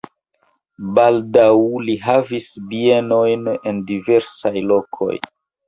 Baldaŭ li havis bienojn en diversaj lokoj.